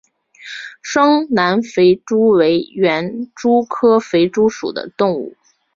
双南肥蛛为园蛛科肥蛛属的动物。